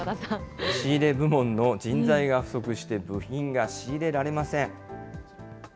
仕入れ部門の人材が不足して部品が仕入れられません。